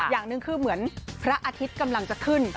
อย่างหนึ่งคือเหมือนพระอาทิตย์กำลังจะขึ้น